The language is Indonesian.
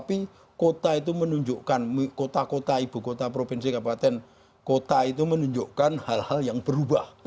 tapi kota itu menunjukkan kota kota ibu kota provinsi kabupaten kota itu menunjukkan hal hal yang berubah